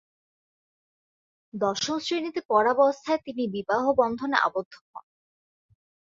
দশম শ্রেণীতে পড়াবস্থায় তিনি বিবাহ বন্ধনে আবদ্ধ হন।